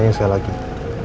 perlu ke rumah sakit gak